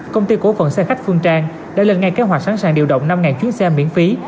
công ty cổ phận xe khách phương trang đã lên ngay kế hoạch sẵn sàng điều động năm chuyến xe miễn phí